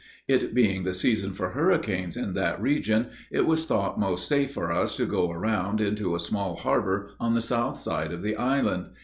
It being the season for hurricanes in that region, it was thought most safe for us to go around into a small harbor on the south side of the island.